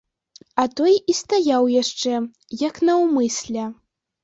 А той і стаяў яшчэ, як наўмысля.